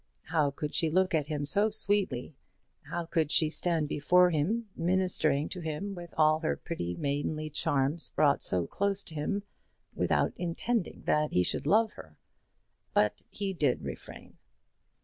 How could she look at him so sweetly, how could she stand before him, ministering to him with all her pretty maidenly charms brought so close to him, without intending that he should love her? But he did refrain.